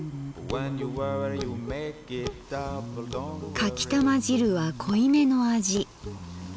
「かきたま汁は濃い目の味。